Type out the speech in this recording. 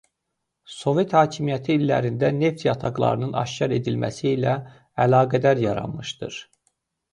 Sovet hakimiyyəti illərində neft yataqlarının aşkar edilməsi ilə əlaqədar yaranmışdır.